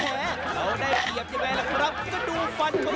เราได้เกียบอย่างไรล่ะครับก็ดูฝันเขาสิ